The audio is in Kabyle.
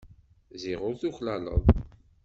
Ziɣ ur tuklaleḍ.